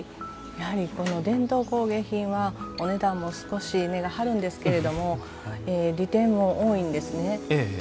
やはりこの伝統工芸品はお値段も少し値が張るんですけれども利点も多いんですね。